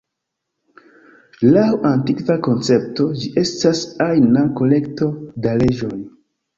Laŭ antikva koncepto, ĝi estas ajna kolekto da leĝoj.